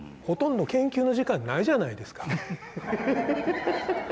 ほとんど研究の時間ないじゃないですか。